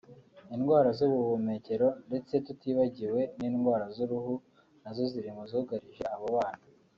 indwara z’ubuhumekero ndetse tutibagiwe n’indwara z’uruhu nazo ziri mu zugarije abo bana